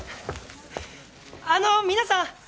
あの皆さん！